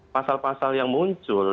pasal pasal yang muncul